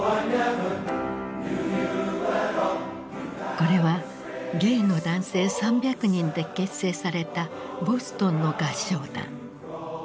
これはゲイの男性３００人で結成されたボストンの合唱団。